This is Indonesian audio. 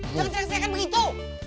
jangan terang terangkan begitu